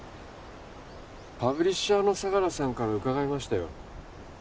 パブリッシャーの相良さんから伺いましたよ